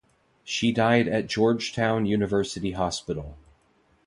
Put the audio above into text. She died at Georgetown University Hospital.